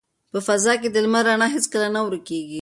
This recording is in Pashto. په فضا کې د لمر رڼا هیڅکله نه ورکیږي.